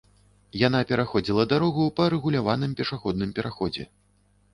Яна пераходзіла дарогу па рэгуляваным пешаходным пераходзе.